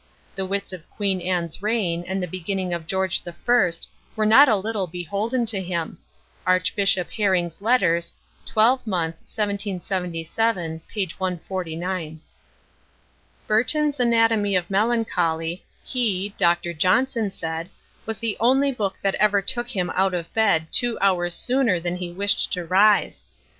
The wits of Queen Anne's reign, and the beginning of George the First, were not a little beholden to him.—Archbishop Herring's Letters, 12mo. 1777. p. 149. BURTON'S ANATOMY OF MELANCHOLY, he (Dr. Johnson) said, was the only book that ever took him out of bed two hours sooner than he wished to rise.